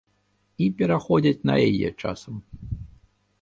І пераходзяць на яе часам.